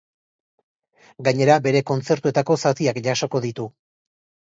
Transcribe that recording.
Gainera, bere kontzertuetako zatiak jasoko ditu.